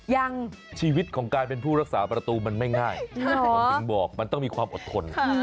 ยังชีวิตของการเป็นผู้รักษาประตูมันไม่ง่ายผมถึงบอกมันต้องมีความอดทน